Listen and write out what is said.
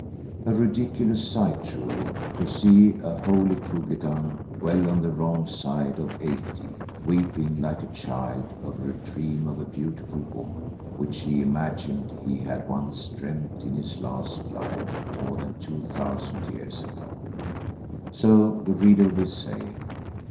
A ridiculous sight, truly, to see a holy Khublighan well on the wrong side of eighty, weeping like a child over a dream of a beautiful woman which he imagined he had once dreamt in his last life more than two thousand years ago. So the reader will say.